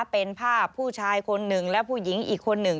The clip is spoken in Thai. เป็นภาพผู้ชายคนหนึ่งและผู้หญิงอีกคนหนึ่ง